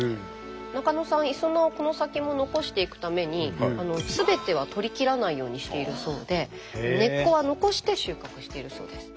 中野さんいそなをこの先も残していくためにすべては採りきらないようにしているそうで根っこは残して収穫しているそうです。